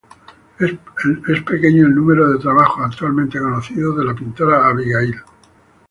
Es pequeño el número de trabajos actualmente conocidos de la pintora Abigail.